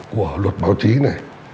của luật báo chí này